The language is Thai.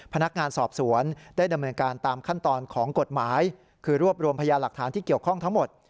พนักงานสอบสวนได้ดำเนินการตามขั้นตอนของกฎหมายคือรวบรวมพยาหลักฐานที่เกี่ยวข้องทั้งหมด